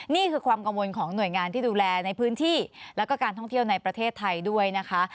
นี่คือความกังวลของหน่วยงานที่ดูแลในพื้นที่แล้วก็การท่องเที่ยวในประเทศไทยด้วยนะคะ